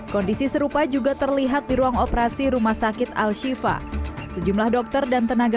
kondisi serupa juga terlihat di ruang operasi rumah sakit al shiva sejumlah dokter dan tenaga